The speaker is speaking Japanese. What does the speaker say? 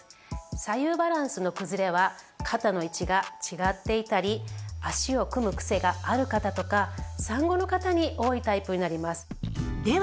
左右バランスの崩れは肩の位置が違っていたり脚を組むクセがある方とか産後の方に多いタイプになります。